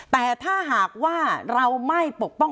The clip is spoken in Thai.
แต่ถ้าหากว่าเราไม่ปกป้อง